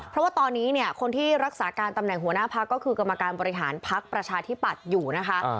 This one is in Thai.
เพราะว่าตอนนี้เนี่ยคนที่รักษาการตำแหน่งหัวหน้าพักก็คือกรรมการบริหารพักประชาธิปัตย์อยู่นะคะ